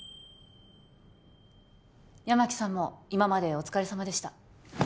八巻さんもいままでお疲れさまでした